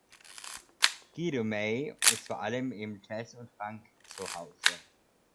Guido May ist vor allem im Jazz und Funk zuhause.